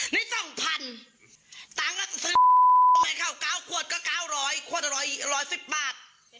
นี่๒๐๐๐ต่างก็จะซื้อไม่เข้า๙ขวดก็๙๐๐ขวดอร่อย๑๑๐บาท